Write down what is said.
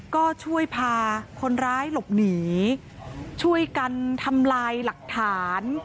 ก็ช่วยพาคนร้ายหลบหนีช่วยกันทำลายหลักฐาน